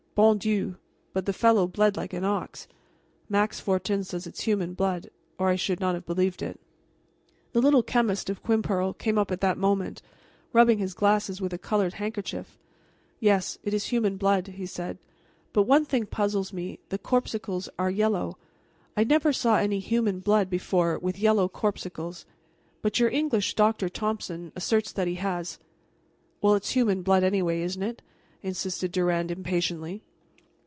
Bon Dieu! but the fellow bled like an ox. Max Fortin says it's human blood, or I should not have believed it." The little chemist of Quimperle came up at that moment, rubbing his glasses with a colored handkerchief. "Yes, it is human blood," he said, "but one thing puzzles me: the corpuscles are yellow. I never saw any human blood before with yellow corpuscles. But your English Doctor Thompson asserts that he has " "Well, it's human blood, anyway isn't it?" insisted Durand, impatiently.